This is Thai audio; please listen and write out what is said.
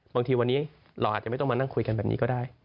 บางทีวันนี้เราอาจจะไม่ต้องมานั่งคุยกันแบบนี้ก็ได้